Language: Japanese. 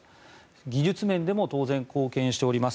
技術面でも当然、貢献しております。